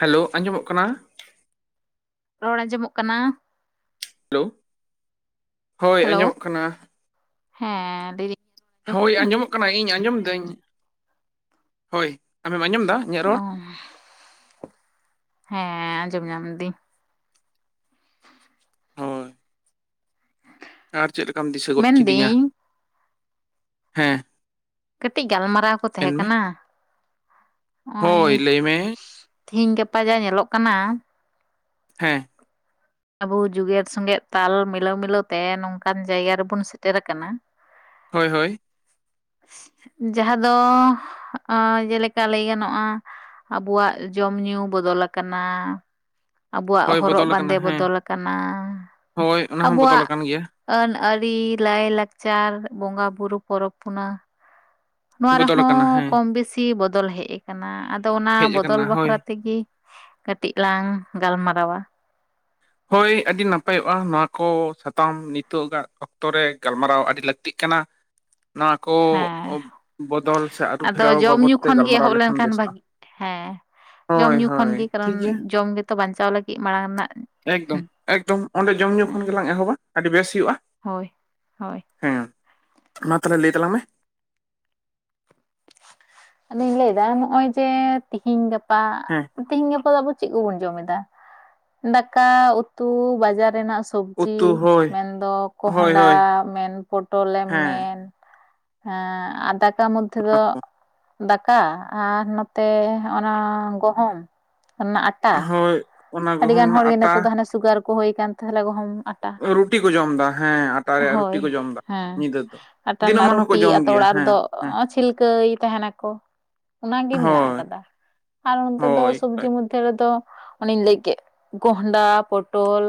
Hello ᱟᱸᱡᱚᱢᱚᱜ ᱠᱟᱱᱟ? ᱨᱚᱲ ᱟᱸᱡᱚᱢᱚᱜ ᱠᱟᱱᱟ᱾ ᱦᱮᱞᱳᱣ, ᱦᱳᱭ ᱦᱮᱞᱳ ᱟᱸᱡᱚᱢᱚᱜ ᱠᱟᱱᱟ᱾ ᱦᱮᱸ, ᱰᱤ ᱦᱳᱭ ᱟᱸᱡᱚᱢᱚᱜ ᱠᱟᱱᱟ ᱤᱧ ᱟᱸᱡᱚᱢ ᱫᱟᱹᱧ᱾ ᱦᱳᱭ ᱟᱢᱮᱢ ᱟᱸᱡᱚᱢ ᱮᱫᱟ ᱤᱧᱟᱹᱜ ᱚ, ᱨᱚᱲ ᱦᱮᱸ ᱟᱸᱡᱚᱢ ᱧᱟᱢ ᱫᱤᱧ᱾ [inaudible] ᱦᱳᱭ ᱟᱨ ᱪᱮᱫᱞᱮᱠᱟᱢ ᱫᱤᱥᱟᱹ ᱜᱚᱫ ᱠᱤᱫᱤᱧᱟ, ᱢᱮᱱᱫᱟᱹᱧ ᱦᱮᱸ᱾ ᱠᱟᱹᱴᱤᱡ ᱜᱟᱞᱢᱟᱨᱟᱣ ᱠᱚ ᱛᱮᱦᱮᱸ ᱢᱮᱱᱢᱮ ᱠᱟᱱᱟ᱾ ᱱᱚᱜᱼᱚᱭ ᱦᱳᱭ ᱞᱟᱹᱭ ᱢᱮᱻ᱾ ᱛᱤᱦᱤᱧ ᱜᱟᱯᱟ ᱡᱟ ᱧᱮᱞᱚᱜ ᱠᱟᱱᱟ᱾ ᱦᱮᱸ᱾ ᱟᱵᱚ ᱡᱩᱜᱽᱮᱫ ᱥᱚᱸᱜᱮᱛ ᱛᱟᱞ ᱢᱤᱞᱟᱹᱣ ᱢᱤᱞᱟᱹᱣ ᱛᱮ ᱱᱚᱝᱠᱟᱱ ᱡᱟᱭᱜᱟ ᱨᱮᱵᱚᱱ ᱥᱮᱴᱮᱨ ᱠᱟᱱᱟ᱾ ᱦᱳᱭ ᱦᱳᱭ᱾ ᱡᱟᱦᱟᱸ ᱫᱚ ᱟᱸ ᱡᱮᱞᱮᱠᱟ ᱞᱟᱹᱭ ᱜᱟᱱᱚᱜᱼᱟ᱾ ᱟᱵᱚᱣᱟᱜ ᱡᱚᱢ ᱧᱩ ᱵᱚᱫᱚᱞ ᱟᱠᱟᱱᱟ᱾ ᱟᱵᱚᱣᱟᱜ ᱦᱳᱭ ᱦᱚᱨᱚᱜ ᱵᱚᱫᱚᱞ ᱟᱠᱟᱱᱟ ᱵᱟᱸᱫᱮ ᱦᱮᱸ ᱵᱚᱫᱚᱞ ᱟᱠᱟᱱᱟ, ᱦᱳᱭ ᱚᱱᱟ ᱦᱚᱸ ᱵᱚᱫᱚᱞ ᱟᱵᱚᱣᱟᱜ ᱟᱠᱟᱱ ᱜᱮᱭᱟ ᱟᱹᱱ ᱟᱹᱨᱤ, ᱞᱟᱹᱭ ᱞᱟᱠᱪᱟᱨ, ᱵᱚᱸᱜᱟ ᱵᱩᱨᱩ, ᱯᱚᱨᱚᱵᱽ ᱯᱩᱱᱟ ᱱᱚᱣᱟ ᱵᱚᱫᱚᱞ ᱨᱮᱦᱚᱸ ᱟᱠᱟᱱᱟ ᱦᱮᱸ ᱠᱚᱢ ᱵᱮᱥᱤ ᱵᱚᱫᱚᱞ ᱦᱮᱡ ᱟᱠᱟᱱᱟ ᱟᱫᱚ ᱚᱱᱟ ᱦᱮᱡ ᱵᱚᱫᱚᱞ ᱟᱠᱟᱱᱟ ᱦᱳᱭ ᱵᱟᱠᱷᱨᱟ ᱛᱮᱜᱤ ᱠᱟᱹᱴᱤᱡ ᱞᱟᱝ ᱜᱟᱞᱢᱟᱨᱟᱣᱼᱟ᱾ ᱦᱳᱭ ᱟᱹᱰᱤ ᱱᱟᱯᱟᱭᱚᱜᱼᱟ ᱱᱚᱣᱟ ᱠᱚ ᱥᱟᱛᱟᱢ ᱱᱤᱛᱚᱜᱼᱟᱜ ᱚᱠᱛᱚ ᱨᱮ ᱜᱟᱞᱢᱟᱨᱟᱣ ᱟᱹᱰᱤ ᱞᱟᱹᱠᱛᱤᱜ ᱠᱟᱱᱟ᱾ ᱱᱚᱣᱟ ᱠᱚ ᱦᱮᱸ ᱵᱚᱫᱚᱞ ᱥᱮ ᱟᱫᱚ ᱟᱹᱨᱩᱯᱷᱮᱨᱟᱣ ᱡᱚᱢ ᱵᱟᱵᱚᱫ ᱧᱩ ᱛᱮ ᱠᱷᱚᱱ ᱜᱮ ᱜᱟᱞᱢᱟᱨᱟᱣ ᱮᱦᱚᱵ ᱞᱮᱠᱷᱟᱱ ᱞᱮᱱᱠᱷᱟᱱ ᱵᱮᱥᱚᱜᱼᱟ᱾ ᱵᱷᱟᱜᱤ ᱦᱮᱸ ᱡᱚᱢ ᱦᱳᱭ ᱧᱩ ᱠᱷᱚᱱ ᱦᱳᱭ ᱜᱤ ᱴᱷᱤᱠ ᱠᱟᱨᱚᱱ ᱜᱮᱭᱟ ᱡᱚᱢ ᱜᱮᱛᱚ ᱵᱟᱧᱪᱟᱣ ᱞᱟᱹᱜᱤᱫ ᱢᱟᱲᱟᱝ ᱨᱮᱱᱟᱜ ᱮᱠᱫᱚᱢ ᱮᱠᱫᱚᱢ ᱚᱸᱰᱮ ᱡᱚᱢ ᱧᱩᱸ ᱠᱷᱚᱱ ᱦᱮᱸ ᱜᱮᱞᱟᱝ ᱮᱦᱚᱵᱟ ᱟᱹᱰᱤ ᱵᱮᱥ ᱦᱩᱭᱩᱜᱼᱟ᱾ ᱦᱳᱭ ᱦᱳᱭ ᱦᱮᱸ, ᱢᱟ ᱛᱟᱦᱞᱮ ᱞᱟᱹᱭ ᱛᱟᱞᱟᱝ ᱢᱮ᱾ ᱟᱫᱚᱧ ᱞᱟᱹᱭ ᱫᱟ ᱱᱚᱜᱼᱚᱭ ᱡᱮ ᱛᱤᱦᱤᱧ ᱜᱟᱯ ᱯᱟ ᱦᱮᱸ ᱛᱤᱦᱤᱧ ᱜᱟᱯᱟ ᱫᱚ ᱟᱵᱩ ᱪᱮᱫ ᱠᱚᱵᱚᱱ ᱡᱚᱢ ᱮᱫᱟ? ᱫᱟᱠᱟ ᱩᱛᱩ ᱵᱟᱡᱟᱨ ᱨᱮᱱᱟᱜ᱾ ᱥᱚᱵᱡᱤ ᱩᱛᱩ ᱦᱳᱭ ᱢᱮᱱᱫᱚ ᱦᱳᱭ ᱠᱚᱦᱸᱰᱟ ᱦᱳᱭ ᱢᱮᱱ ᱯᱚᱴᱚᱞᱮᱢ ᱦᱮᱸ ᱢᱮᱱ ᱦᱮᱸ ᱟ ᱫᱟᱠᱟ ᱢᱚᱫᱽᱫᱷᱮ ᱚᱱᱟ ᱫᱚ ᱠᱚ ᱫᱟᱠᱟ ᱟᱨ ᱱᱚᱛᱮ ᱚᱱᱟ ᱜᱚᱦᱚᱢ ᱚᱱᱟ ᱟᱴ ᱦᱳᱭ ᱚᱱᱟ ᱟᱹᱰᱤ ᱜᱚᱦᱚᱢ ᱜᱟᱱ ᱨᱮᱱᱟᱜ ᱦᱚᱲ ᱜᱮ ᱟᱴᱟ ᱱᱤᱛᱚᱜ ᱫᱚ ᱦᱟᱱᱮ ᱥᱩᱜᱟᱨ ᱠᱚ ᱦᱩᱭ ᱠᱟᱱ ᱛᱟᱦᱚᱞᱮ ᱨᱩᱴᱤ ᱠᱚ ᱡᱚᱢ ᱮᱫᱟ ᱦᱮᱸ ᱟᱴᱟ ᱨᱮᱭᱟᱜ ᱨᱩᱴᱤ ᱦᱳᱭ ᱠᱚ ᱡᱚᱢ ᱮᱫᱟ ᱦᱮᱸ ᱧᱤᱫᱟᱹ ᱫᱚ ᱟᱴᱟ ᱨᱮᱱᱟᱜ ᱫᱤᱱᱟᱹᱢᱟᱱ ᱦᱚᱸᱠᱚ ᱨᱩᱴᱤ ᱡᱚᱢ ᱟᱛᱳ ᱜᱮᱭᱟ ᱚᱲᱟᱜ ᱦᱮᱸ ᱨᱮᱫᱚ ᱦᱮᱸ [unintelligible] ᱛᱟᱦᱮᱸᱱᱟᱠᱚ ᱚᱱᱟᱜᱮ ᱢᱮᱱᱟᱜ ᱦᱳᱭ ᱟᱠᱟᱫᱟ ᱟᱨ ᱱᱚᱱᱛᱮ ᱫᱚ ᱦᱳᱭ ᱥᱚᱵᱡᱤ ᱦᱳᱭ ᱢᱚᱵᱡᱤ ᱱᱛᱮ ᱨᱮᱫᱚ ᱚᱱᱮᱧ ᱞᱟᱹᱭ ᱠᱮᱫ ᱠᱚᱦᱸᱰᱟ ᱯᱚᱴᱚᱞ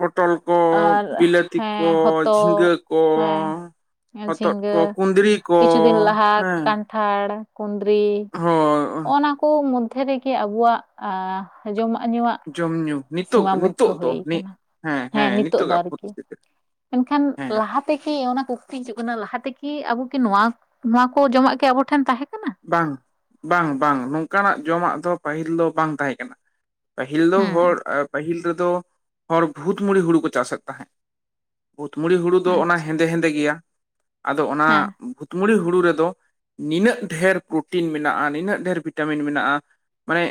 ᱯᱚᱴᱚᱞ ᱠᱚ ᱟᱨ ᱵᱤᱞᱟᱹᱛᱤ ᱦᱮᱸ ᱠᱚ ᱦᱚᱛᱚ ᱡᱷᱤᱸᱜᱟᱹ ᱠᱚ ᱦᱮᱸ᱾ ᱦᱚᱛᱚᱫ ᱠᱚ ᱡᱷᱤᱸᱜᱟᱹ ᱠᱩᱸᱫᱽᱨᱤ ᱠᱚ ᱠᱤᱪᱷᱩ ᱫᱤᱱ ᱞᱟᱦᱟ ᱦᱮᱸ ᱠᱟᱱᱴᱷᱟᱲ ᱠᱩᱸᱫᱽᱨᱤ ᱦᱳᱭ ᱚᱱᱟ ᱠᱚ [unintelligible] ᱨᱮᱜᱮ ᱟᱵᱚᱣᱟᱜ ᱡᱚᱢᱟᱜ ᱧᱩᱣᱟᱜ ᱡᱚᱢᱼᱧᱩᱸ ᱱᱤᱛᱚᱜ ᱥᱤᱢᱟ ᱵᱚᱫᱽᱫᱷᱚ ᱱᱤᱛᱚᱜ ᱫᱚ ᱦᱩᱭ ᱦᱮᱸ ᱟᱠᱟᱱᱟ ᱦᱮᱸ ᱱᱤᱛᱚᱜᱟᱜ ᱯᱚᱨᱤᱥᱛᱷᱤᱛᱤ ᱨᱮ ᱠᱷᱟᱱ ᱞᱟᱦᱟ ᱞᱟᱦᱟ ᱛᱮᱠᱤ ᱚᱱᱟ ᱠᱩᱠᱛᱤ ᱦᱤᱡᱩᱜ ᱠᱟᱱᱟ ᱞᱟᱦᱟᱛᱮᱠᱤ ᱟᱵᱚ ᱠᱤ ᱱᱚᱣᱟ ᱱᱚᱣᱟ ᱠᱚ ᱡᱚᱢᱟᱜ ᱠᱤ ᱟᱵᱚᱴᱷᱮᱱ ᱛᱟᱦᱮᱸ ᱠᱟᱱᱟ ᱵᱟᱝ ᱵᱟᱝ ᱵᱟᱝ ᱱᱚᱝᱠᱟᱱᱟᱜ ᱡᱚᱢᱟᱜ ᱫᱚ ᱯᱟᱹᱦᱤᱞ ᱫᱚ ᱵᱟᱝ ᱛᱟᱦᱮᱸ ᱠᱟᱱᱟ ᱯᱟᱹᱦᱤᱞ ᱫᱚ ᱦᱮᱸ ᱦᱚᱲ ᱯᱟᱹᱦᱤᱞ ᱨᱮᱫᱚ ᱦᱚᱲ ᱵᱷᱩᱛᱢᱩᱲᱤ ᱦᱩᱲᱩ ᱠᱚ ᱪᱟᱥᱮᱫ ᱛᱟᱦᱮᱸᱫ ᱵᱷᱩᱛᱢᱩᱲᱤ ᱦᱩᱲᱩ ᱫᱚ ᱚᱱᱟ ᱟᱪᱪᱷᱟ ᱦᱮᱸᱫᱮ ᱦᱮᱸᱫᱮ ᱜᱮᱭᱟ ᱟᱫᱚ ᱚᱱᱟ ᱦᱮᱸ ᱵᱷᱩᱛ ᱵᱷᱩᱴᱢᱲᱤ [unintelligible] ᱦᱩᱲᱩ ᱨᱮᱫᱚ ᱱᱤᱱᱟᱹᱜ ᱰᱷᱮᱨ ᱯᱨᱳᱚᱴᱤᱱ ᱢᱮᱱᱟᱜᱼᱟ ᱱᱤᱱᱟᱹᱜ ᱰᱷᱮᱨ ᱵᱷᱤᱴᱟᱢᱤᱱ ᱢᱮᱱᱟᱜᱼᱟ ᱢᱟᱱᱮ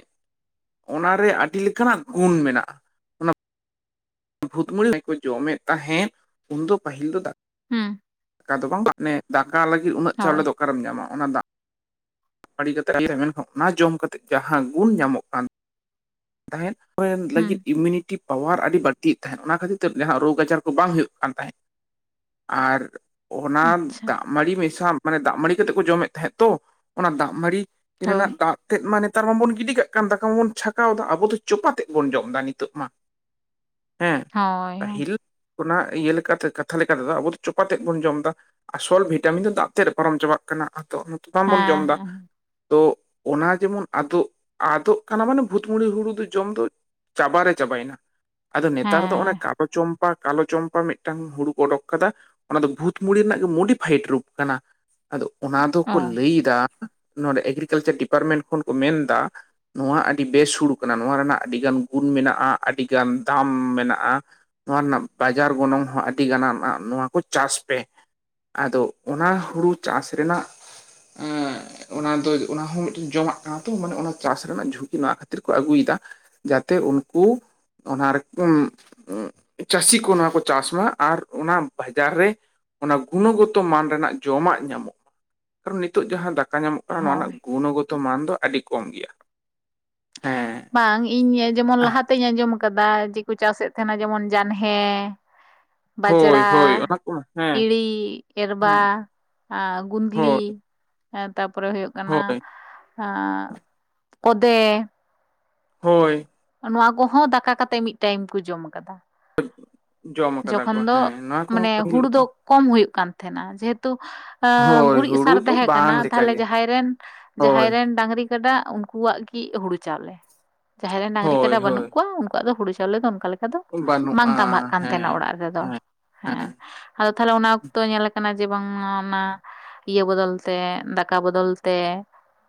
ᱚᱱᱟᱨᱮ ᱟᱹᱰᱤ ᱞᱮᱠᱟᱱᱟᱜ ᱜᱩᱱ ᱢᱮᱱᱟᱜᱼᱟ ᱾ ᱵᱷᱩᱛᱢᱩᱲᱤ ᱪᱟᱣᱞᱮᱠᱚ ᱡᱚᱢᱮᱫ ᱛᱟᱦᱮᱸᱫ ᱩᱱᱫᱚ ᱯᱟᱹᱦᱤᱞ ᱫᱚ ᱫᱟ [unintelligible] ᱦᱮᱸ ᱫᱟᱠᱟ ᱫᱚ ᱵᱟᱝ ᱢᱟᱱᱮ ᱫᱟᱠᱟ ᱞᱟᱹᱜᱤᱫ ᱩᱱᱟᱹᱜ ᱪᱟᱣᱞᱮ ᱦᱳᱭ ᱫᱚ ᱚᱠᱮᱢ ᱧᱟᱢᱟ ᱚᱱᱟ ᱫᱚ ᱫᱟᱜᱢᱟᱰᱤ ᱠᱟᱛᱮ ᱢᱮᱱᱠᱷᱟᱱ ᱚᱱᱟ ᱡᱚᱢ ᱠᱟᱛᱮ ᱡᱟᱦᱟᱸ ᱜᱩᱱ ᱧᱟᱢᱚᱜ ᱠᱟᱱ ᱛᱟᱦᱮᱸ ᱛᱟᱦᱮᱫ ᱚᱱᱟ ᱞᱟᱹᱜᱤᱫ ᱦᱮᱸ ᱤᱭᱩᱢᱤᱱᱤᱴᱤ ᱯᱟᱣᱟᱨ ᱟᱹᱰᱤ ᱵᱟᱹᱲᱛᱤᱜ ᱛᱟᱦᱮᱸᱜ ᱚᱱᱟ ᱠᱷᱟᱹᱛᱤᱨ ᱛᱮ ᱡᱟᱦᱟᱸ ᱨᱳᱜᱽ ᱟᱡᱟᱨ ᱠᱚ ᱵᱟᱝ ᱦᱩᱭᱩᱜ ᱠᱟᱱ ᱛᱟᱦᱮᱸᱫ ᱾ ᱟᱨ ᱚᱱᱟ ᱟᱪᱪᱷᱟ ᱫᱟᱜ ᱢᱟᱹᱲᱤ ᱢᱮᱥᱟ ᱢᱟᱱᱮ ᱫᱟᱜ ᱢᱟᱹᱲᱤ ᱠᱟᱛᱮᱜ ᱠᱚ ᱡᱚᱢᱮᱫ ᱛᱟᱦᱮᱸᱫ ᱛᱚ ᱚᱱᱟ ᱫᱟᱜ ᱢᱟᱹᱲᱤ ᱾ ᱦᱳᱭ ᱨᱮᱱᱟᱜ ᱫᱟᱜ ᱛᱮᱫ ᱢᱟ ᱱᱮᱛᱟᱨ ᱢᱟᱵᱚᱱ ᱜᱤᱰᱤ ᱠᱟᱜ ᱠᱟᱱ ᱫᱟᱠᱟ ᱢᱟᱵᱚᱱ ᱪᱷᱟᱠᱟ ᱠᱟᱣᱫᱟ ᱟᱵᱚ ᱫᱚ ᱪᱚᱯᱟ ᱛᱜ ᱵᱚᱱ ᱡᱚᱢ ᱮᱫᱟ ᱱᱤᱛᱚᱜ ᱢᱟ ᱦᱮᱸ ᱦᱳᱭ ᱯᱟᱹᱦᱤᱞ ᱚᱱᱟ ᱤᱭᱟᱹ ᱞᱮᱠᱟᱛᱮ ᱠᱟᱛᱷᱟ ᱞᱮᱠᱟ ᱛᱮᱫᱚ ᱟᱵᱚ ᱫᱚ ᱪᱚᱯᱟ ᱛᱮᱫ ᱵᱚᱱ ᱡᱚᱢ ᱮᱫᱟ ᱾ ᱟᱥᱚᱞ ᱵᱷᱤᱴᱟᱢᱤᱱ ᱫᱚ ᱫᱟᱜ ᱛᱮ ᱨᱮ ᱯᱟᱨᱚᱢ ᱪᱟᱵᱟᱜ ᱠᱟᱱᱟ ᱟᱫᱚ ᱵᱟᱝᱵᱚᱱ ᱡᱚᱢ ᱮᱫᱟ ᱦᱮᱸ ᱛᱚ ᱚᱱᱟ ᱡᱮᱢᱚᱱ ᱟᱫᱚᱜ ᱟᱫᱚᱜ ᱠᱟᱱᱟ ᱢᱟᱱᱮ ᱵᱷᱩᱛ ᱢᱩᱲᱤ ᱦᱩᱲᱩ ᱫᱚ ᱡᱚᱢ ᱫᱚ ᱪᱟᱵᱟ ᱨᱮ ᱪᱟᱵᱟᱭᱮᱱᱟ ᱟᱫᱚ ᱱᱮᱛᱟᱨ ᱫᱚ ᱚᱱᱮ ᱦᱮᱸ ᱪᱚᱢᱯᱟ ᱠᱟᱞᱳ ᱪᱚᱢᱯᱟ ᱢᱤᱫᱴᱟᱝ ᱦᱩᱲᱩ ᱠᱚ ᱳᱰᱳᱠ ᱠᱟᱫᱟ ᱾ ᱚᱱᱟ ᱫᱚ ᱵᱷᱩᱛ ᱢᱩᱲᱤ ᱨᱮᱱᱟᱜ ᱜᱮ ᱢᱚᱰᱤᱯᱷᱟᱭᱤᱰ ᱨᱩᱯ ᱠᱟᱱᱟ ᱟᱫᱚ ᱚᱱᱟ ᱚ ᱫᱚᱠᱚ ᱞᱟᱹᱭᱫᱟ ᱾ ᱱᱚᱰᱮ ᱮᱜᱨᱤᱠᱟᱞᱪᱟᱨ ᱰᱤᱯᱟᱨᱢᱮᱱᱴ ᱠᱷᱚᱱ ᱠᱚ ᱢᱮᱱᱫᱟ ᱱᱚᱣᱟ ᱟᱹᱰᱤ ᱟᱹᱰᱤ ᱵᱮᱥ ᱦᱩᱲᱩ ᱠᱟᱱᱟ ᱱᱚᱣᱟ ᱨᱮᱱᱟᱜ ᱟᱹᱰᱤᱜᱟᱱ ᱜᱩᱱ ᱢᱮᱱᱟᱜᱼᱟ ᱟᱹᱰᱤᱜᱟᱱ ᱫᱟᱢ ᱢᱮᱱᱟᱜᱼᱟ ᱾ ᱱᱚᱣᱟ ᱨᱮᱱᱟᱜ ᱵᱟᱡᱟᱨ ᱜᱚᱱᱚᱝ ᱦᱚᱸ ᱟᱹᱰᱤ ᱜᱟᱱᱟ ᱱᱚᱣᱟ ᱠᱚ ᱪᱟᱥ ᱯᱮ ᱟᱫᱚ ᱚᱱᱟ ᱦᱩᱲᱩ ᱪᱟᱥ ᱨᱮᱱᱟᱜ ᱚᱱᱟ ᱫᱚ ᱚᱱᱟ ᱦᱚᱸ ᱢᱤᱫᱴᱮᱱ ᱡᱚᱢᱟᱜ ᱠᱟᱱᱟ ᱛᱚ ᱢᱟᱱᱮ ᱚᱱᱟ ᱪᱟᱥ ᱨᱮᱱᱟᱜ ᱡᱷᱩᱠ ᱱᱚᱣᱟ ᱠᱷᱟᱹᱛᱤᱨ ᱠᱚ ᱟᱹᱜᱩᱭᱮᱫᱟ ᱡᱟᱛᱮ ᱩᱱᱠᱩ ᱚᱱᱟᱨᱮᱠᱚ ᱪᱟᱹᱥᱤ ᱠᱚ ᱱᱚᱣᱟ ᱠᱚ ᱪᱟᱥᱢᱟ ᱟᱨ ᱚᱱᱟ ᱵᱟᱡᱟᱨ ᱨᱮ ᱚᱱᱟ ᱜᱩᱱᱚᱜᱚᱛᱚ ᱢᱟᱱ ᱨᱮᱱᱟᱜ ᱡᱚᱢᱟᱜ ᱧᱟᱢᱚᱜᱼᱟ ᱠᱟᱨᱚᱱ ᱱᱤᱛᱚᱜ ᱡᱟᱦᱟᱸ ᱫᱟᱠ ᱫᱟᱠᱟ ᱧᱟᱢᱚᱜ ᱠᱟᱱᱟ ᱱᱚᱣᱟ ᱨᱮᱱᱟᱜ ᱦᱳᱭ ᱜᱩᱱᱚᱜᱚᱛᱚ ᱢᱟᱱ ᱫᱚ ᱟᱹᱰᱤ ᱠᱚᱢ ᱜᱮᱭᱟ ᱾ ᱵᱟᱝ ᱤᱧ ᱡᱮᱢᱚᱱ ᱞᱟᱦᱟᱛᱤᱧ ᱟᱸᱡᱚᱢ ᱟᱠᱟᱫᱟ ᱾ ᱠᱟᱫᱟ ᱡᱮᱠᱚ ᱪᱟᱥᱮᱫ ᱛᱟᱦᱮᱱᱟ ᱡᱮᱢᱚᱱ ᱡᱟᱱᱦᱮ ᱦᱳᱭ ᱵᱟᱡᱽᱲᱟ ᱦᱳᱭ ᱚᱱᱟ ᱠᱚ ᱦᱮᱸ ᱤᱲᱤ ᱮᱨᱵᱟ ᱦᱮᱸ ᱟᱨ ᱜᱩᱱᱫᱽᱞᱤ ᱦᱳᱭ ᱛᱟᱯᱚᱨᱮ ᱦᱩᱭᱩᱜ ᱠᱟᱱᱟ ᱦᱳᱭ ᱠᱚᱫᱮ ᱦᱳᱭ ᱾ ᱱᱚᱶᱟ ᱠᱚᱦᱚᱸ ᱫᱟᱠᱟ ᱠᱟᱛᱮᱜ ᱢᱤᱫ ᱴᱟᱭᱤᱢ ᱠᱚ ᱡᱚᱢ ᱟᱠᱟᱫᱟ ᱾ [unintelligible] ᱠᱟᱫᱟ ᱠᱚ ᱡᱚᱠᱷᱚᱱ ᱫᱚ ᱦᱮᱸ ᱱᱚᱣᱟ ᱠᱚᱦᱚᱸ ᱢᱟᱱᱮ ᱯᱟᱹᱦᱤᱞ ᱦᱩᱲᱩ ᱫᱚᱠᱚ ᱫᱚ ᱠᱚᱢ ᱦᱩᱭᱩᱜ ᱠᱟᱱ ᱛᱟᱦᱮᱸᱱᱟ ᱡᱮᱦᱮᱛᱩ ᱦᱳᱭ ᱜᱩᱨᱤᱡ ᱦᱩᱲᱩ ᱥᱟᱨ ᱫᱚ ᱛᱟᱦᱮᱸ ᱠᱟᱱᱟ ᱵᱟᱝ ᱛᱟᱦᱚᱞᱮ ᱞᱮᱠᱟᱜᱮ ᱡᱟᱦᱟᱸᱭ ᱨᱮᱱ ᱡᱟᱦᱟᱸᱭ ᱦᱳᱭ ᱨᱮᱱ ᱰᱟᱝᱨᱤ ᱠᱟᱰᱟ ᱩᱱᱠᱩᱣᱟᱜ ᱜᱮᱤ ᱦᱩᱲᱩ ᱪᱟᱣᱞᱮ ᱡᱟᱦᱟᱸᱭ ᱨᱮᱱ ᱰᱟᱝᱨᱤ ᱦᱳᱭ ᱠᱟᱰᱟ ᱦᱳᱭ ᱵᱟᱹᱱᱩᱜ ᱠᱚᱣᱟ ᱩᱱᱠᱩᱣᱟᱜ ᱫᱚ ᱦᱩᱲᱩ ᱪᱟᱣᱞᱮ ᱫᱚ ᱞᱮᱠᱟ ᱫᱚ ᱵᱟᱝ ᱵᱟᱹᱱᱩᱜᱼᱟ ᱛᱸᱵᱟᱜ ᱠᱟᱱ ᱛᱟᱦᱮᱱᱟ ᱦᱮᱸ ᱚᱲᱟᱜ ᱨᱮᱫᱚ ᱦᱮᱸ ᱦᱮᱸ ᱟᱫᱚ ᱛᱟᱦᱚᱞᱮ ᱚᱱᱟ ᱚᱠᱛᱚ ᱧᱮᱞ ᱠᱟᱱᱟ ᱡᱮ ᱵᱟᱝᱢᱟ ᱚᱱᱟ ᱤᱭᱟᱹ ᱵᱚᱫᱚᱞ ᱛᱮ ᱫᱟᱠᱟ ᱵᱚᱫᱚᱞ ᱛᱮ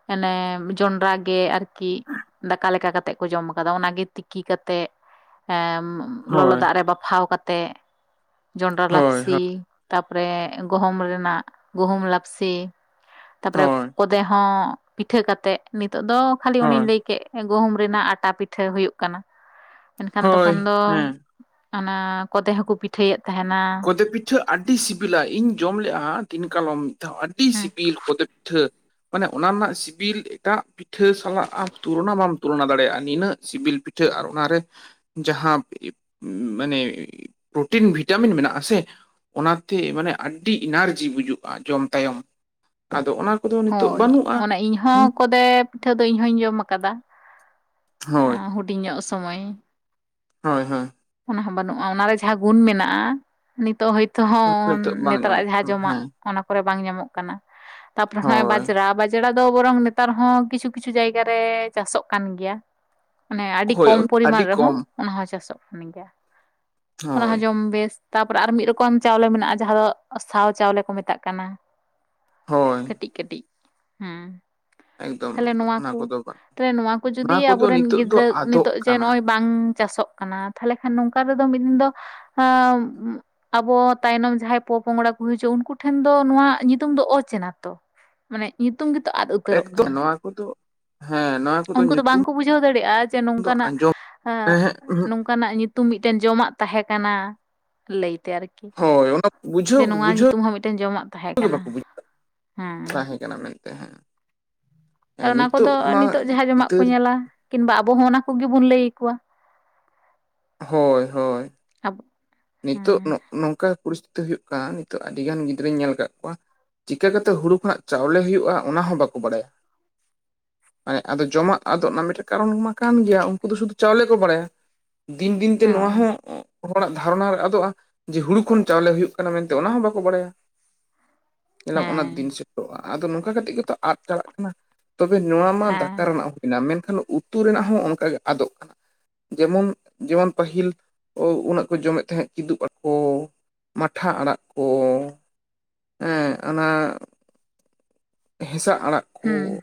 ᱚᱱᱮ ᱡᱚᱱᱰᱨᱟ ᱜᱮ ᱟᱨᱠᱤ ᱠᱤ ᱫᱟᱠᱟ ᱞᱮᱠᱟ ᱠᱟᱛᱮᱜ ᱠᱚ ᱡᱚᱢ ᱠᱟᱫᱟ ᱚᱱᱟ ᱜᱮ ᱛᱤᱠᱤ ᱠᱟᱛᱮᱜ ᱮᱸ ᱻ ᱾ ᱞᱚᱞᱚ ᱦᱳᱭ ᱫᱟᱜ ᱨᱮ ᱵᱟᱯᱷᱟᱣ ᱠᱟᱛᱮᱜ ᱡᱚᱱᱰᱨᱟ ᱦᱳᱭ ᱦᱳᱭ ᱞᱟᱯᱥᱤ ᱛᱟᱯᱚᱨᱮ ᱜᱩᱦᱩᱢ ᱨᱮᱱᱟᱜ ᱜᱩᱦᱩᱢ ᱞᱟᱯᱥᱤ ᱛᱟᱯᱚᱨᱮ ᱦᱳᱭ ᱠᱚᱫᱮ ᱦᱚᱸ ᱯᱤᱴᱷᱟᱹ ᱠᱟᱛᱮᱫ ᱱᱤᱛᱚᱜ ᱫᱚ ᱠᱷᱟᱹᱞᱤ ᱚᱱᱧ ᱦᱳᱭ ᱞᱟᱹᱭ ᱠᱮᱫ ᱜᱩᱦᱩᱢ ᱨᱮᱱᱟᱜ ᱟᱴᱟ ᱯᱤᱴᱷᱟᱹ ᱯᱤᱷ [unintelligible] ᱦᱩᱭᱩᱜ ᱠᱟᱱᱟ ᱢᱮᱱᱠᱷᱟᱱ ᱦᱳᱭ ᱛᱚᱠᱷᱚᱱ ᱫᱚ ᱦᱮᱸ ᱚᱱᱟ ᱠᱚᱛᱮ ᱦᱚᱸᱠᱚ ᱯᱤᱴᱷᱟᱹᱭᱮᱫ ᱛᱟᱦᱮᱱᱟ ᱾ ᱠᱚᱫᱮ ᱯᱤᱴᱷᱟᱹ ᱟᱹᱰᱤ ᱥᱤᱵᱤᱞᱟ ᱤᱧ ᱡᱚᱢ ᱞᱮᱫᱼᱟ ᱫᱤᱱ ᱠᱟᱞᱚᱢ ᱾ ᱟᱹᱰᱤ ᱦᱮᱸ ᱥᱤᱵᱤᱞ ᱠᱚᱫᱮᱯᱴᱷᱟᱹ ᱢᱟᱱᱮ ᱚᱱᱟ ᱨᱮᱱᱟᱜ ᱥᱤᱵᱤᱞ ᱮᱴᱟᱜ ᱯᱤᱴᱷᱟᱹ ᱥᱟᱞᱟᱜ ᱟᱢ ᱛᱩᱞᱚᱱᱟ ᱵᱟᱢ ᱛᱩᱞᱚᱱᱟ ᱫᱟᱲᱮᱭᱟᱜᱼᱟ ᱱᱤᱱᱟᱹᱜ ᱥᱤᱵᱤᱞ ᱯᱤᱴᱷᱟᱹ ᱟᱨ ᱚᱱᱟᱨᱮ ᱡᱟᱦᱟᱸ ᱢᱟᱱᱮᱯᱨᱳᱴᱤᱱ ᱵᱷᱤᱴᱟᱢᱤᱱ ᱢᱮᱱᱟᱜᱼᱟ ᱾ ᱥᱮ ᱚᱱᱟᱛᱮ ᱢᱟᱱᱮ ᱟᱹᱰᱤ ᱮᱱᱟᱨᱡᱤ ᱵᱩᱡᱩᱜᱼᱟ ᱡᱚᱢ ᱛᱟᱭᱚᱢ ᱟᱫᱚ ᱚᱱᱟ ᱾ ᱦᱳᱭ ᱚᱱᱟ ᱤᱧᱦᱚᱸ ᱠᱚᱫᱮ ᱯᱤᱴᱷᱟᱹ ᱫᱚ ᱤᱧ ᱦᱚᱧ ᱡᱚᱢ ᱟᱠᱟᱫᱟ ᱟ ᱦᱳᱭ ᱦᱩᱰᱤᱧ ᱧᱚᱜ ᱥᱚᱢᱚᱭ ᱦᱳᱭ ᱦᱳᱭ ᱚᱱᱟ ᱦᱚᱸ ᱵᱟᱹᱱᱩᱜᱼᱟ ᱚᱱᱟᱨᱮ ᱡᱟᱦᱟᱸ ᱜᱩᱱ ᱢᱮᱱᱟᱜᱼᱟ ᱱᱤᱛᱚᱜ ᱦᱚᱳᱭ ᱛᱳ ᱱᱤᱛᱚᱜ ᱦᱚᱸ ᱵᱟᱝ ᱱᱮᱛᱟᱨᱟᱜ ᱧᱟᱢᱚᱜ ᱡᱟᱦᱟᱸ ᱠᱟᱱᱟ ᱡᱚᱢᱟᱜ ᱦᱮᱸ ᱚᱱᱟ ᱠᱚᱨᱮ ᱵᱟᱝ ᱧᱟᱢᱚᱜ ᱠᱟᱱᱟ ᱛᱟᱯᱚᱨᱮ ᱱᱚᱜᱼᱚᱭ ᱦᱳᱭ ᱵᱟᱡᱽᱲᱟ ᱵᱟᱡᱽᱲᱟ ᱫᱚ ᱵᱚᱨᱚᱝ ᱱᱮᱛᱟᱨ ᱦᱚᱸ ᱠᱤᱪᱷᱩ ᱠᱤᱪᱷᱩ ᱡᱟᱭᱜᱟ ᱨᱮ ᱪᱟᱥᱚᱜ ᱠᱟᱱ ᱜᱮᱭᱟ ᱢᱟᱱᱮ ᱟᱹᱰᱤ ᱦᱳᱭ ᱠᱚᱢ ᱯᱚᱨᱤᱢᱟᱱ ᱟᱹᱰᱤ ᱨᱮᱦᱚᱸ ᱠᱚᱢ ᱚᱱᱟ ᱦᱚᱸ ᱪᱟᱥᱚᱜ ᱠᱟᱱ ᱜᱮᱭᱟ ᱚᱱᱟ ᱦᱳᱭ ᱦᱚᱸ ᱡᱚᱢ ᱵᱮᱥ ᱛᱟᱯᱚᱨᱮ ᱟᱨ ᱢᱤᱫ ᱨᱚᱠᱚᱢ ᱪᱟᱣᱞᱮ ᱢᱮᱱᱟᱜᱼᱟ ᱡᱟᱦᱟᱸ ᱫᱚ ᱥᱟᱶ ᱪᱟᱣᱞᱮ ᱠᱚ ᱢᱮᱛᱟᱜ ᱠᱟᱱᱟ ᱦᱳᱭ ᱠᱟᱹᱴᱤᱡ ᱠᱟᱹᱴᱤᱡ ᱦᱮᱸ ᱮᱠᱫᱚᱢ ᱛᱟᱞᱦᱮ ᱮᱠᱫᱚᱢ ᱱᱚᱣᱟ ᱚᱱᱟ ᱠᱚ ᱠᱚᱫᱚ ᱵᱟᱝ ᱛᱟᱞᱮ ᱱᱚᱣᱟ ᱠᱚ ᱡᱩᱫᱤ ᱠᱚᱫᱚ ᱟᱵᱚᱨᱮᱱ ᱱᱤᱛᱚᱜ ᱫᱚ ᱜᱤᱫᱽᱨᱟᱹ ᱟᱫᱚᱜ ᱱᱤᱛᱳᱜ ᱡᱮ ᱠᱟᱱᱟ ᱱᱚᱜᱼᱚᱭ ᱵᱟᱝ ᱪᱟᱥᱚᱜ ᱠᱟᱱᱟ ᱛᱟᱦᱞᱮ ᱠᱷᱟᱱ ᱱᱚᱝᱠᱟ ᱛᱮᱫᱚ ᱢᱤᱫ ᱫᱤᱱ ᱫᱚ ᱟᱵᱚ ᱛᱟᱭᱱᱚᱢ ᱡᱟᱦᱟᱸᱭ ᱯᱚᱯᱚᱝᱲᱟ ᱠᱚ ᱦᱤᱡᱩᱜᱼᱟ ᱩᱱᱠᱩᱴᱷᱮᱱ ᱫᱚ ᱱᱚᱣᱟ ᱧᱩᱛᱩᱢ ᱫᱚ ᱚᱪᱮᱱᱟᱛᱚ ᱢᱟᱱᱮ ᱧᱩᱛᱩᱢ ᱜᱮᱛᱚ ᱟᱫ ᱩᱛᱟᱹᱨᱚᱜ ᱠᱟᱱᱟ ᱩᱱᱠᱩ ᱫᱚ ᱦᱮᱸ ᱱᱚᱣᱟ ᱠᱚᱫᱚ ᱩᱱᱠᱩ ᱫᱚ ᱵᱟᱝ ᱧᱩᱛᱩᱢ ᱠᱚ ᱵᱩᱡᱷᱟᱹᱣ ᱫᱟᱲᱮᱭᱟᱜᱼᱟ ᱡᱮ ᱫᱚ ᱱᱚᱝᱠᱟᱱᱟᱜ ᱟᱸᱡᱚᱢ ᱦᱮᱸ ᱚᱱᱠᱟᱱᱟᱜ ᱧᱩᱛᱩᱢ ᱢᱤᱫᱴᱮᱱ ᱡᱚᱢᱟᱜ ᱛᱟᱦᱮᱸ ᱠᱟᱱᱟ ᱞᱟᱹᱭᱛᱮ ᱟᱨᱠᱤ ᱦᱳᱭ ᱚᱱᱟ ᱡᱮ ᱵᱩᱡᱷᱟᱹᱣ ᱱᱚᱣᱟ ᱵᱩᱡᱷᱟᱹᱣ ᱧᱩᱛᱩᱢ ᱦᱚᱸ ᱢᱤᱫᱴᱮᱱ ᱡᱚᱢᱟᱜ ᱛᱟᱦᱮᱸ ᱠᱟᱱᱟ ᱵᱟᱠᱚ ᱵᱩᱡᱷᱟᱹᱣ ᱦᱮᱸ ᱛᱟᱦᱮᱸ ᱠᱟᱱᱟ ᱢᱮᱱᱛᱮ ᱦᱮᱸ ᱦᱮᱸ ᱚᱱᱟ ᱱᱤᱛᱚᱜ ᱠᱚᱫᱚ ᱢᱟ ᱱᱤᱛᱚᱜ ᱡᱟᱦᱟᱸ ᱡᱚᱢᱟᱜ ᱠᱚ ᱜᱤᱫᱟᱹᱨ ᱧᱮᱞᱟ ᱠᱤᱢᱵᱟ ᱟᱵᱚ ᱦᱚᱸ ᱚᱱᱟ ᱠᱚᱜᱮ ᱵᱚᱱ ᱞᱟᱹᱭ ᱟᱠᱚᱣᱟ ᱦᱳᱭ ᱦᱳᱭ ᱟᱵᱚ ᱱᱤᱛᱚᱜ ᱦᱮᱸ ᱱᱚᱝᱠᱟ ᱯᱚᱨᱤᱥᱛᱤᱛᱤ ᱦᱩᱭᱩᱜ ᱠᱟᱱᱟ ᱱᱤᱛᱚᱜ ᱟᱹᱰᱤ ᱜᱟᱱ ᱜᱤᱫᱽᱨᱟᱹᱧ ᱧᱮᱞ ᱟᱠᱟᱫ ᱠᱚᱣᱟ ᱪᱤᱠᱟᱹ ᱠᱟᱛᱮᱫ ᱦᱩᱲᱩ ᱠᱷᱚᱱᱟᱜ ᱪᱟᱣᱞᱮ ᱦᱩᱭᱩᱜᱭᱳᱜᱼᱟ ᱚᱱᱟ ᱦᱚᱸᱵᱟᱠᱚ ᱵᱟᱲᱟᱭᱟ ᱢᱟᱱᱮ ᱟᱫᱚ ᱡᱚᱢᱟᱜ ᱟᱫᱚ ᱚᱱᱟ ᱢᱤᱫᱴᱮᱱ ᱠᱟᱨᱚᱱ ᱢᱟ ᱠᱟᱱ ᱜᱮᱭᱟ ᱩᱱᱠᱩ ᱫᱚ ᱥᱩᱫᱩ ᱪᱟᱣᱞᱮ ᱠᱚ ᱵᱟᱲᱟᱭᱟ ᱫᱤᱱ ᱫᱤᱱ ᱛᱮ ᱱᱚᱣᱟ ᱦᱳᱭ ᱦᱚᱸ ᱦᱚᱲᱟᱜ ᱫᱷᱟᱨᱚᱱᱟ ᱨᱮ ᱟᱫᱚᱜᱼᱟ ᱡᱮ ᱦᱩᱲᱩ ᱠᱷᱚᱱ ᱪᱟᱣᱞᱮ ᱦᱩᱭᱩᱜ ᱠᱟᱱᱟ ᱢᱮᱱᱛᱮ ᱚᱱᱟ ᱦᱚᱸ ᱵᱟᱠᱚ ᱵᱟᱲᱟᱭᱟ ᱧᱮᱞᱟᱢ ᱚᱱᱟ ᱫᱤᱱ ᱦᱮᱸ ᱥᱮᱴᱮᱨᱚᱜᱼᱟ ᱟᱫᱚ ᱱᱚᱝᱠᱟ ᱠᱟᱛᱮ ᱜᱮᱛᱚ ᱟᱫ ᱪᱟᱞᱟᱜ ᱠᱟᱱᱟ ᱛᱚᱵᱮ ᱱᱚᱣᱟ ᱢᱟ ᱫᱟᱠᱟ ᱦᱮᱸ ᱨᱮᱱᱟᱜ ᱦᱩᱭᱱᱟ ᱢᱮᱱᱠᱷᱟᱱ ᱩᱛᱩ ᱨᱮᱱᱟᱜ ᱦᱚᱸ ᱚᱱᱠᱟ ᱜᱮ ᱟᱫᱚᱜ ᱠᱟᱱᱟ ᱡᱮᱢᱚᱱ ᱡᱮᱢᱚᱱ ᱯᱟᱹᱦᱤᱞ ᱩᱱᱟᱹᱜ ᱠᱚ ᱡᱚᱢᱮᱫ ᱛᱟᱦᱮᱸᱜ ᱠᱤᱫᱩᱵ ᱟᱠᱚ ᱢᱟᱴᱷᱟ ᱟᱲᱟᱜ ᱠᱚ ᱦᱮᱸ ᱚᱱᱟ ᱦᱮᱸᱥᱟᱜ ᱟᱲᱟᱜ ᱠᱚ ᱦᱩᱸ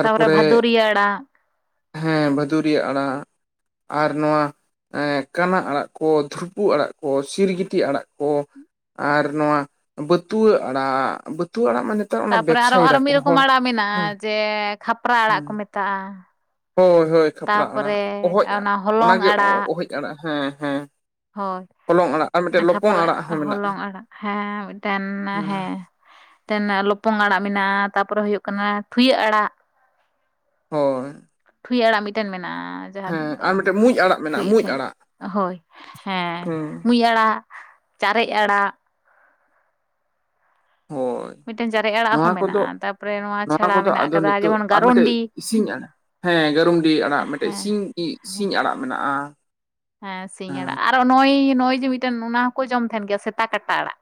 ᱛᱟᱯᱚᱨᱮ ᱵᱷᱟᱫᱩᱨᱤᱭᱟᱹ ᱟᱲᱟᱜ ᱦᱮᱸ ᱵᱷᱟᱫᱩᱨᱤᱭᱟᱹ ᱟᱲᱟᱜ ᱟᱨ ᱱᱚᱣᱟ ᱮᱸᱜ ᱠᱟᱱᱟ ᱟᱲᱟᱜ ᱠᱚ ᱛᱷᱩᱨᱯᱩ ᱟᱲᱟᱜ ᱠᱚ ᱥᱤᱨᱜᱤᱴᱤ ᱟᱲᱟᱜ ᱠᱚ ᱟᱨ ᱱᱚᱣᱟ ᱵᱟᱹᱛᱩᱣᱟᱹ ᱟᱲᱟᱜ ᱵᱟᱹᱛᱩᱣᱟᱹ ᱟᱲᱟᱜ ᱢᱟᱱᱮ ᱛᱟᱨᱯᱚᱨᱮ ᱟᱨᱚ ᱟᱨ ᱢᱤᱫ ᱨᱚᱠᱚᱢ ᱟᱲᱟᱜ ᱢᱮᱱᱟᱜᱼᱟ ᱡᱮ ᱠᱷᱟᱯᱨᱟ ᱟᱲᱟᱜ ᱦᱮᱸ ᱠᱚ ᱢᱮᱛᱟᱜᱼᱟ ᱦᱳᱭ ᱦᱳᱭ ᱠᱷᱟᱯᱨᱟ ᱛᱟᱯᱚᱨᱮ ᱟᱲᱟᱜ ᱚᱦᱚᱡ ᱚᱱᱟ ᱟᱲᱟᱜ ᱦᱚᱞᱚᱝ ᱚᱱᱟᱜᱮ ᱟᱲᱟᱜ ᱚᱦᱚᱡ ᱟᱲᱟᱜ ᱦᱮᱸ ᱦᱮᱸ ᱦᱳᱭ ᱦᱚᱞᱚᱝ ᱟᱲᱟᱜ ᱟᱨ ᱢᱤᱫᱴᱮᱡ ᱞᱚᱯᱚᱝ ᱠᱷᱟᱯᱨᱟᱜ ᱟᱲᱟᱜ ᱦᱚᱸ ᱢᱮᱱᱟᱜᱼᱟ ᱦᱚᱞᱚᱝ ᱟᱲᱟᱜ ᱦᱮᱸ ᱢᱤᱫᱴᱮᱱ ᱦᱮᱸ ᱢᱤᱫᱴᱮᱱ ᱞᱚᱯᱚᱝ ᱟᱲᱟᱜ ᱢᱮᱱᱟᱜᱼᱟ ᱛᱟᱯᱚᱨᱮ ᱦᱩᱭᱩᱜ ᱠᱟᱱᱟ ᱴᱷᱩᱭᱟᱹ ᱟᱲᱟᱜ ᱦᱳᱭ ᱴᱷᱩᱸᱭᱟᱹᱜ ᱟᱲᱟᱜ ᱢᱤᱫᱴᱮᱱ ᱢᱮᱱᱟᱜᱼᱟ ᱡᱟᱦᱟᱸ ᱦᱮᱸ ᱫᱚ ᱟᱨ ᱢᱤᱫᱴᱮᱡ ᱢᱩᱸᱡ ᱟᱲᱟᱜ ᱢᱮᱱᱟᱜᱼᱟ ᱢᱩᱸᱡ ᱟᱲᱟᱜ [unintelligible] ᱦᱳᱭ ᱦᱮᱸ ᱢᱩᱡ ᱟᱲᱟᱜ ᱪᱟᱨᱮᱡ ᱟᱲᱟᱜ ᱦᱳᱭ ᱢᱤᱫᱴᱮᱱ ᱪᱟᱨᱮᱡ ᱟᱲᱟᱜ ᱱᱚᱣᱟ ᱦᱚᱸ ᱠᱚᱫᱚ ᱢᱮᱱᱟᱜᱼᱟ ᱛᱟᱯᱚᱨᱮ ᱱᱚᱣᱟ ᱪᱷᱟᱲᱟ ᱠᱚᱫᱚ ᱢᱮᱱᱟᱜ ᱟᱫᱚ ᱟᱠᱟᱫᱟ ᱱᱤᱛᱳᱜ ᱡᱮᱢᱚᱱ ᱟᱨ ᱢᱤᱫᱴᱮᱡ ᱜᱟᱨᱩᱱᱰᱤ ᱥᱤᱧ ᱟᱲᱟᱜ ᱦᱮᱸ ᱜᱟᱨᱩᱱᱰᱤ ᱟᱲᱟᱜ ᱢᱤᱫᱴᱮᱱ ᱦᱮᱸ ᱥᱤᱧ ᱤᱡ ᱥᱤᱧ ᱟᱲᱟᱜ ᱢᱮᱱᱟᱜᱼᱟ ᱦᱮᱸ ᱥᱤᱧ ᱟᱲᱟᱜ ᱟᱨᱚ ᱱᱚᱜ-ᱚᱭ ᱱᱚᱜ-ᱚᱭ ᱡᱮ ᱢᱤᱫᱴᱮᱱ ᱚᱱᱟ ᱦᱚᱸᱠᱚ ᱡᱚᱢ ᱛᱟᱦᱮᱱ ᱜᱮᱭᱟ ᱥᱮᱛᱟ ᱠᱟᱴᱟ ᱟᱲᱟᱜ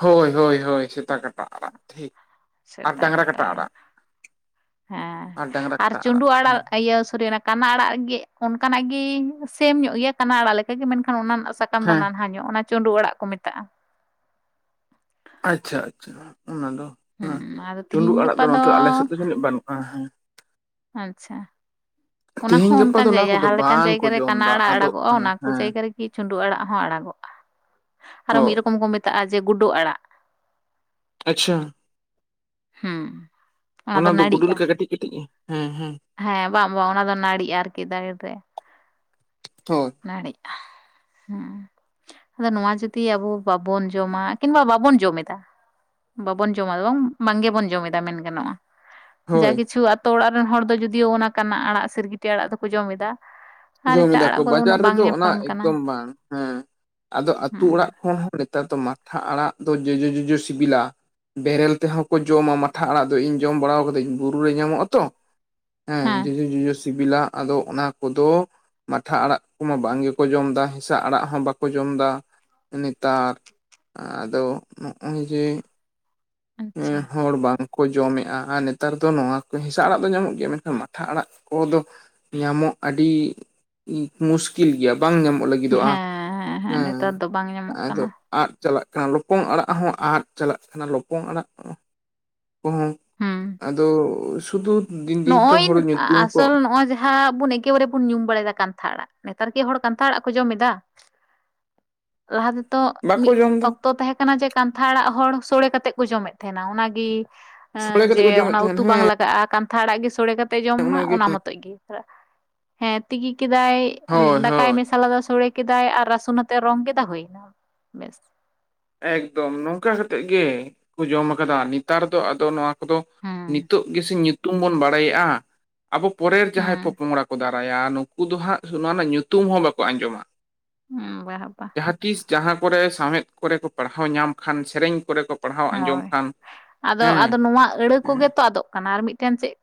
ᱦᱳᱭ ᱦᱳᱭ ᱦᱳᱭ ᱥᱮᱛᱟ ᱠᱟᱴᱟ ᱟᱲᱟᱜ ᱴᱷᱤᱠ ᱥᱮᱛᱟ ᱠᱟᱴᱟ ᱟᱲᱟᱜ ᱦᱮᱸ ᱰᱟᱝᱨᱟ ᱟᱨ ᱠᱟᱴᱟ ᱪᱩᱸᱰᱩᱜ ᱟᱲᱟᱜ ᱦᱮᱸ ᱤᱭᱟᱹ ᱥᱚᱨᱤ ᱚᱱᱟ ᱠᱟᱱᱟ ᱟᱲᱟᱜ ᱜᱮ ᱚᱱᱠᱟᱱᱟᱜ ᱜᱮ ᱥᱮᱢ ᱧᱚᱜ ᱜᱮᱭᱟ ᱠᱟᱱᱟ ᱟᱲᱟᱜ ᱞᱮᱠᱟᱜᱮ ᱢᱮᱱᱠᱷᱟᱱ ᱚᱱᱟ ᱨᱮᱱᱟᱜ ᱥᱟᱠᱟᱢ ᱫᱚ ᱦᱮᱸ ᱱᱟᱱᱦᱟ ᱧᱚᱜ ᱧᱚᱜ ᱚᱱᱟ ᱪᱟᱺᱰᱩᱜ ᱟᱲᱟᱜ ᱠᱚ ᱢᱮᱛᱟᱜᱼᱟ ᱟᱪᱪᱷᱟ ᱟᱪᱪᱷᱟ ᱚᱱᱟ ᱫᱚ ᱦᱩᱸ ᱦᱮᱸ ᱟᱫᱚ ᱛᱤᱦᱤᱧ ᱪᱩᱸᱰᱩᱜ ᱟᱲᱟᱜ ᱜᱟᱯᱟ ᱫᱚ ᱱᱚᱛᱮ ᱟᱞᱮ ᱥᱮᱫ ᱫᱚ ᱡᱟᱹᱱᱤᱡ ᱵᱟᱹᱱᱩᱜ ᱦᱮᱸ ᱦᱮᱸ ᱟᱪᱪᱷᱟ ᱚᱱᱟ ᱦᱚᱸ ᱛᱤᱦᱤᱧ ᱜᱟᱯᱟ ᱚᱱᱠᱟᱱ ᱫᱚ ᱚᱱᱟ ᱡᱟᱭᱜᱟ ᱠᱚᱫᱚ ᱡᱟᱦᱟᱸ ᱞᱮᱠᱟᱱ ᱵᱟᱝ ᱠᱚ ᱡᱟᱭᱜᱟ ᱨᱮ ᱡᱚᱢ ᱠᱟᱱᱟ ᱫᱟ ᱟᱲᱟᱜ ᱟᱫᱚᱜ ᱟᱲᱟᱜᱚᱜᱼᱟ ᱠᱟᱱᱟ ᱚᱱᱟ ᱠᱚ ᱦᱮᱸ ᱡᱟᱭᱜᱟ ᱨᱮᱜᱮ ᱪᱩᱸᱰᱩᱜ ᱟᱲᱟᱜ ᱦᱚᱸ ᱟᱲᱟᱜᱚᱜᱼᱟ ᱟᱨᱚ ᱦᱳᱭ ᱢᱤᱫ ᱨᱚᱠᱚᱢ ᱠᱚ ᱢᱮᱛᱟᱜᱼᱟ ᱡᱮ ᱜᱩᱰᱩ ᱟᱲᱟᱜ ᱟᱪᱪᱷᱟ ᱦᱩᱸ ᱚᱱᱟ ᱫᱚ ᱜᱩᱰᱩ ᱞᱮᱠᱟ ᱠᱟᱹᱴᱤᱡᱼᱠᱟᱹᱴᱤᱡ-ᱟ ᱦᱮᱸ ᱦᱮᱸ ᱵᱟᱝ ᱚᱱᱟ ᱫᱚ ᱱᱟᱲᱤᱜᱼᱟ ᱟᱨᱠᱤ ᱫᱟᱨᱮ ᱛᱮ ᱦᱳ ᱱᱟᱲᱤᱜ-ᱟ ᱦᱮᱸ ᱟᱫᱚ ᱱᱚᱣᱟ ᱡᱩᱫᱤ ᱟᱵᱚ ᱵᱟᱵᱚᱱ ᱡᱚᱢᱟ ᱠᱤᱝᱵᱟ ᱵᱟᱵᱚᱱ ᱡᱚᱢᱮᱫᱟ ᱵᱟᱵᱚᱱ ᱡᱚᱢᱟ ᱫᱚ ᱵᱟᱝ ᱵᱟᱝ ᱜᱮᱵᱚᱱ ᱡᱚᱢ ᱮᱫᱟ ᱢᱮᱱ ᱜᱟᱱᱚᱜᱼᱟ ᱡᱟ ᱦᱳᱭ ᱠᱤᱪᱷᱩ ᱟᱛᱳ ᱚᱲᱟᱜ ᱨᱮᱱ ᱦᱚᱲ ᱫᱚ ᱡᱩᱫᱤᱭᱳ ᱚᱱᱟ ᱠᱟᱱᱟ ᱟᱲᱟᱜ ᱥᱤᱨᱜᱤᱴᱤ ᱟᱲᱟᱜ ᱫᱚᱠᱚ ᱡᱚᱢ ᱮᱫᱟ ᱟᱨ ᱡᱚᱢ ᱮᱴᱟᱜ ᱮᱫᱟ ᱠᱚ ᱟᱲᱟᱜ ᱠᱚᱫᱚ ᱵᱟᱡᱟᱨ ᱩᱱᱟᱹᱜ ᱵᱟᱝ ᱨᱮᱫᱚ ᱚᱱᱟ ᱧᱟᱯᱟᱢ ᱮᱠᱫᱚᱢ ᱠᱟᱱᱟ ᱵᱟᱝ ᱦᱮᱸ ᱟᱫᱚ ᱟᱹᱛᱩ ᱚᱲᱟᱜ ᱦᱩᱸ ᱦᱮᱸ ᱱᱮᱛᱟᱨ ᱫᱚ ᱢᱟᱴᱷᱟ ᱟᱲᱟᱜ ᱫᱚ ᱡᱚᱡᱚ ᱡᱚᱡᱚ ᱥᱤᱵᱤᱞᱟ ᱵᱮᱨᱮᱞ ᱛᱮᱦᱚᱸ ᱠᱚ ᱡᱚᱢᱟ ᱢᱟᱴᱷᱟ ᱟᱲᱟᱜ ᱫᱚ ᱤᱧ ᱡᱚᱢ ᱵᱟᱲᱟᱣ ᱠᱟᱫᱤᱧ ᱵᱩᱨᱩ ᱨᱮ ᱧᱟᱢᱚᱜ-ᱟ ᱛᱚ ᱦᱮᱸ ᱡᱚᱡᱟ ᱡᱚᱡᱚ ᱥᱤᱵᱤᱞᱟ ᱟᱫᱚ ᱚᱱᱟ ᱠᱚᱫᱚ ᱢᱟᱴᱷᱟ ᱟᱲᱟᱜ ᱠᱚᱢᱟ ᱵᱟᱝ ᱜᱮᱠᱚ ᱡᱚᱢᱫᱟ ᱦᱮᱸᱥᱟᱜ ᱟᱲᱟᱜ ᱦᱚᱸ ᱵᱟᱠᱚ ᱡᱚᱢ ᱮᱫᱟ ᱱᱮᱛᱟᱨ ᱟᱫᱚ ᱱᱚᱜᱼᱚᱭ ᱡᱮ ᱟᱪᱪᱷᱟ ᱮᱸ ᱦᱚᱲ ᱵᱟᱝ ᱠᱚ ᱡᱚᱢᱮᱫᱼᱟ ᱟᱨ ᱱᱮᱛᱟᱨ ᱫᱚ ᱱᱚᱣᱟ ᱠᱚ ᱦᱮᱸᱥᱟᱜ ᱟᱲᱟᱜ ᱫᱚ ᱧᱟᱢᱚᱜ ᱜᱮᱭᱟ ᱢᱮᱱᱠᱷᱟᱱ ᱢᱟᱴᱷᱟ ᱟᱲᱟᱜ ᱠᱚᱫᱚ ᱧᱟᱢᱚᱜ ᱟᱹᱰᱤ ᱢᱩᱥᱠᱤᱞ ᱜᱮᱭᱟ ᱵᱟᱝ ᱧᱟᱢᱚᱜ ᱞᱟᱹᱜᱤᱫᱚᱜᱼᱟ ᱦᱮᱸ ᱦᱮᱸ ᱱᱮᱛᱟᱨ ᱫᱚ ᱵᱟᱝ ᱧᱟᱢᱚᱜ ᱟᱫᱚ ᱠᱟᱱᱟ ᱟᱫ ᱪᱟᱞᱟᱜ ᱠᱟᱱᱟ ᱞᱚᱯᱚᱝ ᱟᱲᱟᱜ ᱦᱚᱸ ᱟᱫ ᱪᱟᱞᱟᱜ ᱠᱟᱱᱟ ᱞᱚᱯᱚᱝ ᱟᱲᱟᱜ ᱠᱚᱦᱚᱸ ᱟᱫᱚ ᱥᱩᱫᱩ ᱱᱚᱜᱼᱚᱭᱱ ᱟᱥᱚᱞ ᱱᱚᱜᱼᱚᱭ ᱡᱮ ᱡᱟᱦᱟᱸ ᱟᱵᱚ ᱵᱚᱱ ᱮᱠᱮᱵᱚᱨᱮ ᱵᱚᱱ ᱧᱩᱢ ᱵᱟᱲᱟᱭᱟ ᱠᱟᱱᱛᱷᱟ ᱟᱲᱟᱜ᱾ ᱱᱮᱛᱟᱨ ᱠᱤ ᱦᱚᱲ ᱠᱟᱱᱛᱷᱟ ᱟᱲᱟᱜ ᱠᱚ ᱡᱚᱢ ᱮᱫᱟ? ᱞᱟᱦᱟ ᱛᱮᱫᱚ ᱵᱟᱠᱚ ᱢᱤᱫ ᱡᱚᱢ ᱮᱫᱟ ᱚᱠᱛᱚ ᱛᱚ ᱛᱟᱦᱮᱸ ᱠᱟᱱᱟ ᱡᱮ ᱠᱟᱱᱛᱷᱟ ᱟᱲᱟᱜ ᱦᱚᱲ ᱥᱚᱲᱮ ᱠᱟᱛᱮᱜ ᱠᱚ ᱡᱚᱢᱮᱫ ᱛᱟᱦᱮᱱᱟ ᱚᱱᱟᱜᱮ ᱦᱮ ᱥᱳᱲᱮ ᱠᱟᱛᱮᱫ ᱡᱮ ᱠᱚ ᱡᱚᱢᱮᱫ ᱚᱱᱟ ᱛᱟᱦᱮᱸᱱ ᱩᱛᱩ ᱦᱮᱸ ᱵᱟᱝ ᱞᱟᱜᱟᱜᱼᱟ ᱠᱟᱱᱛᱷᱟ ᱟᱲᱟᱜ ᱜᱮ ᱥᱚᱲᱮ ᱠᱟᱛᱮ ᱡᱚᱢ ᱢᱟ ᱚᱱᱟᱜᱮ ᱚᱱᱟ ᱢᱚᱛᱚᱡ ᱜᱮ ᱦᱮᱸ ᱛᱤᱠᱤ ᱠᱮᱫᱟᱭ ᱦᱳᱭ ᱫᱟᱠᱟᱭ ᱦᱳᱭ ᱢᱮᱥᱟᱞ ᱟᱫᱟ ᱥᱚᱲᱮ ᱠᱮᱫᱟᱭ ᱟᱨ ᱨᱟᱹᱥᱩᱱ ᱟᱛᱮᱜ ᱨᱚᱝ ᱠᱮᱫᱟ ᱦᱩᱭ ᱮᱱᱟ ᱵᱮᱥ ᱮᱠᱫᱚᱢ ᱱᱚᱝᱠᱟ ᱠᱟᱛᱮᱫ ᱜᱮ ᱠᱚ ᱡᱚᱢ ᱟᱠᱟᱫᱟ ᱱᱮᱛᱟᱨ ᱫᱚ ᱟᱫᱚ ᱱᱚᱶᱟ ᱦᱮᱸ ᱱᱤᱛᱚᱜ ᱜᱮᱥᱮ ᱧᱩᱛᱩᱢ ᱵᱚᱱ ᱵᱟᱲᱟᱭᱮᱫᱼᱟ ᱟᱵᱚ ᱯᱚᱨᱮᱨ ᱡᱟᱦᱟᱸᱭ ᱦᱮᱸ ᱯᱚᱯᱚᱝᱲᱟ ᱠᱚ ᱫᱟᱨᱟᱭᱟ ᱱᱩᱠᱩ ᱫᱚ ᱦᱟᱸᱜ ᱱᱚᱣᱟ ᱨᱮᱱᱟᱜ ᱧᱩᱛᱩᱢ ᱦᱚᱸ ᱵᱟᱠᱚ ᱟᱸᱡᱚᱢᱟ ᱦᱩᱸ ᱵᱟᱦ ᱵᱟᱦ ᱡᱟᱦᱟᱸ ᱛᱤᱥ ᱡᱟᱦᱟᱸ ᱠᱚᱨᱮ ᱥᱟᱶᱦᱮᱫ ᱠᱚᱨᱮ ᱠᱚ ᱯᱟᱲᱦᱟᱣ ᱧᱟᱢ ᱠᱷᱟᱱ ᱥᱮᱨᱮᱧ ᱠᱚᱨᱮ ᱠᱚ ᱯᱟᱲᱦᱟᱣ ᱟᱸᱡᱚᱢ ᱦᱚᱭ ᱠᱷᱟᱱ ᱟᱫᱚ ᱦᱮᱸ ᱟᱫᱚ ᱱᱚᱶᱟ ᱟᱹᱲᱟᱹ ᱠᱚᱜᱮ ᱛᱚ ᱟᱫᱚᱜ ᱠᱟᱱᱟ ᱟᱨ ᱢᱤᱫᱴᱮᱱ ᱪᱮᱫ?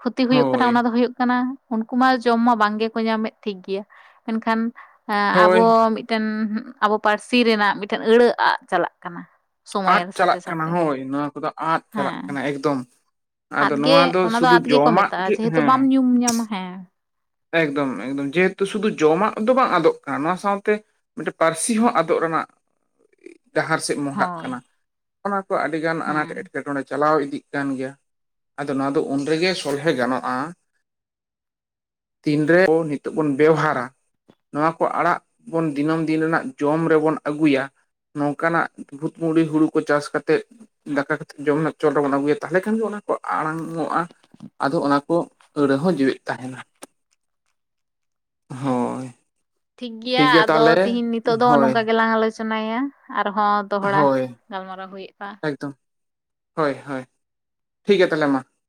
ᱠᱷᱩᱛᱤ ᱦᱩᱭᱩᱜ ᱠᱟᱱᱟ ᱦᱳᱭ ᱚᱱᱟ ᱫᱚ ᱦᱩᱭᱩᱜ ᱠᱟᱱᱟ ᱩᱱᱠᱩ ᱢᱟ ᱡᱚᱢ ᱢᱟ ᱵᱟᱝ ᱜᱮᱠᱚ ᱧᱟᱢᱮᱫ ᱴᱷᱤᱠ ᱜᱮᱭᱟ ᱢᱮᱱᱠᱷᱟᱱᱸ ᱟᱵᱚ ᱦᱳᱭ ᱢᱤᱫ ᱢᱤᱫᱴᱮᱱ ᱟᱵᱚ ᱯᱟᱹᱨᱥᱤ ᱨᱮᱱᱟᱜ ᱢᱤᱫᱴᱮᱱ ᱟᱹᱲᱟᱹ ᱟᱜ ᱪᱟᱞᱟᱜ ᱠᱟᱱᱟ ᱟᱫ ᱥᱚᱢᱚᱭᱮᱨ ᱥᱟᱛᱮ ᱪᱟᱞᱟᱜ ᱠᱟᱱᱟ ᱥᱟᱛᱮ ᱦᱚᱭ ᱱᱚᱶᱟ ᱠᱚᱫᱚ ᱟᱫ ᱪᱟᱞᱟᱜ ᱦᱮᱸ ᱠᱟᱱᱟ ᱮᱠᱫᱚᱢ ᱟᱫᱚ ᱟᱫᱜᱮ ᱱᱚᱣᱟ ᱚᱱᱟ ᱫᱚ ᱥᱩᱫᱷᱩ ᱟᱫ ᱜᱮᱠᱚ ᱡᱚᱢᱟᱜ ᱢᱮᱛᱟᱜᱼᱟ ᱜᱮ ᱡᱮᱦᱮᱛᱩ ᱦᱮᱸ ᱵᱟᱢ ᱧᱩᱢ ᱧᱟᱢᱟ ᱦᱮᱸ ᱮᱠᱫᱚᱢ ᱮᱠᱫᱚᱢ ᱡᱮᱦᱮᱛᱩ ᱥᱩᱫᱷᱩ ᱡᱚᱢᱟᱜ ᱫᱚ ᱵᱟᱝ ᱟᱫᱚᱜ ᱠᱟᱱᱟ ᱱᱚᱣᱟ ᱥᱟᱶᱛᱮ ᱢᱤᱫᱴᱮᱡ ᱯᱟᱹᱨᱥᱤ ᱦᱚᱸ ᱟᱫᱚᱜ ᱨᱮᱱᱟᱜ ᱰᱟᱦᱟᱨ ᱥᱮᱫ ᱢᱚᱦᱰᱟᱜ ᱦᱳᱭ ᱠᱟᱱᱟ ᱚᱱᱟ ᱠᱚ ᱟᱹᱰᱤ ᱜᱟᱱ ᱟᱱᱟᱴ ᱦᱮᱸ ᱮᱴᱠᱮᱴᱚᱬᱮ ᱪᱟᱞᱟᱣ ᱤᱫᱤᱜ ᱠᱟᱱ ᱜᱮᱭᱟ ᱟᱫᱚ ᱱᱚᱶᱟ ᱫᱚ ᱩᱱᱨᱮᱜᱮ ᱥᱚᱞᱦᱮ ᱜᱟᱱᱚᱜᱼᱟ᱾ ᱛᱤᱱᱨᱮ ᱚ ᱱᱤᱛᱚᱜ ᱵᱚᱱ ᱵᱮᱣᱦᱟᱨᱟ ᱱᱚᱣᱟ ᱠᱚ ᱟᱲᱟᱜ ᱵᱚᱱ ᱫᱤᱱᱟᱹᱢ ᱫᱤᱱ ᱨᱮᱱᱟᱜ ᱡᱚᱢ ᱨᱮᱵᱚᱱ ᱟᱹᱜᱩᱭᱟ ᱱᱚᱝᱠᱟᱱᱟᱜ ᱵᱷᱩᱛᱢᱩᱨᱤ ᱦᱩᱲᱩ ᱠᱚ ᱪᱟᱥ ᱠᱟᱛᱮᱜ ᱫᱟᱠᱟ ᱠᱟᱛᱮᱫ ᱡᱚᱢ ᱨᱮᱱᱟᱜ ᱪᱚᱞ ᱨᱮᱵᱚᱱ ᱟᱹᱜᱩᱭᱟ ᱛᱟᱦᱞᱮ ᱠᱷᱟᱱ ᱜᱮ ᱚᱱᱟ ᱠᱚ ᱟᱲᱟᱝᱚᱜᱼᱟ ᱟᱫᱚ ᱚᱱᱟ ᱠᱚ ᱟᱹᱲᱟᱹ ᱦᱚᱸ ᱡᱤᱣᱮᱫ ᱛᱟᱦᱮᱱᱟ᱾ ᱦᱚᱭ ᱴᱷᱤᱠ ᱜᱮᱭᱟ ᱟᱫᱚ ᱛᱤᱦᱤᱧ ᱱᱤᱛᱚᱜ ᱫᱚ ᱦᱳᱭ ᱱᱚᱝᱠᱟ ᱜᱮᱞᱟᱝ ᱟᱞᱚᱪᱚᱱᱟᱭᱟ ᱟᱨᱦᱚᱸ ᱫᱚᱦᱲᱟ ᱦᱚᱭ ᱜᱟᱞᱢᱟᱨᱟᱣ ᱦᱩᱭᱩᱜᱼᱟ ᱮᱠᱫᱚᱢ ᱦᱚᱭ ᱦᱚᱭ ᱴᱷᱤᱠ ᱜᱮᱭᱟ ᱛᱟᱦᱞᱮ ᱢᱟ